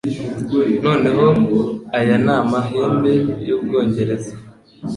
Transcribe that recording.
Noneho aya ni amahembe y'Ubwongereza